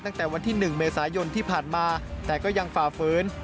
ตั้งแต่วันที่๑เมษายนที่ผ่านมาแต่ก็ยังฝ่าฝืน